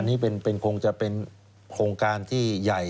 อันนี้คงจะเป็นโครงการที่ใหญ่